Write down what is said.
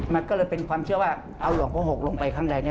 มันก็เลยเป็นความเชื่อว่าเอาหลวงพ่อหกลงไปข้างใน